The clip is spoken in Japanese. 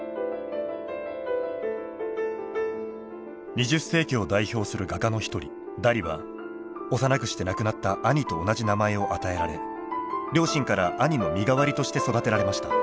２０世紀を代表する画家の一人ダリは幼くして亡くなった兄と同じ名前を与えられ両親から兄の身代わりとして育てられました。